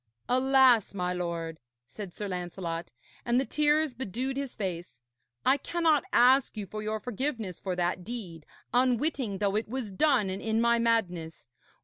'Alas, my lord,' said Sir Lancelot, and the tears bedewed his face, 'I cannot ask you for your forgiveness for that deed, unwitting though it was done and in my madness.